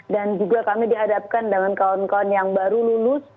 dan juga kami dihadapkan dengan kawan kawan yang baru lulus